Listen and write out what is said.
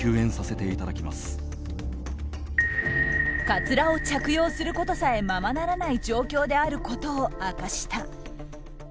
かつらを着用することさえままならない状況であることを明かした。